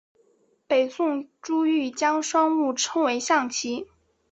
北宋朱彧将双陆称为象棋。